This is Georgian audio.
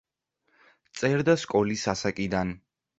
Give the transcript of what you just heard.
წერდა სკოლის ასაკიდან.